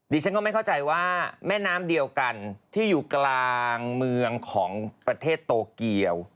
ฉันก็ไม่เข้าใจว่าแม่น้ำเดียวกันที่อยู่กลางเมืองของประเทศโตเกียว